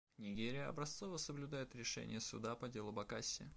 Нигерия образцово соблюдает решение Суда по делу Бакасси.